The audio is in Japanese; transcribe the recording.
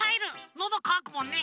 のどかわくもんね。